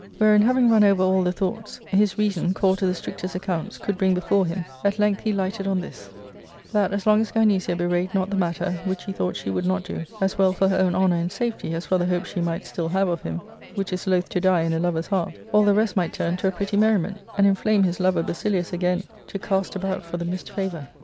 Wherein having run over all the thoughts his reason, called to the strictest accounts, could bring before him, at length he lighted on this : That, as long as Gynecia bewrayed not the matter, which he thought she would not do, as well for her own honour and safety as for the hope she might still have of him, which is loath to die in a lover's heart, all the rest might turn to a pretty merriment, and inflame his lover Basilius again to cast about for the missed favour.